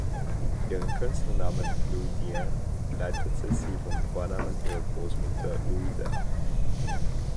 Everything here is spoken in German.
Ihren Künstlernamen "Louisan" leitete sie vom Vornamen ihrer Großmutter Louise ab.